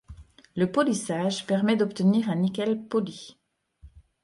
Le polissage permet d'obtenir un nickel poli.